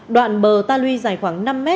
đoạn bờ ta lui dài khoảng năm m